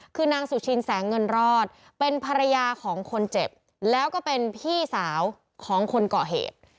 คือนางสุชินแสงเงินรอดเป็นภรรยาของคนเจ็บแล้วก็เป็นพี่สาวของคนก่อเหตุ